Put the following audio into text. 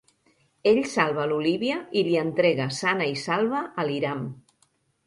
Ell salva l'Olivia i li entrega sana i salva al Hiram.